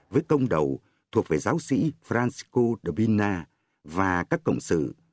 với công đầu thuộc về giáo sĩ francisco de pina và các cộng sự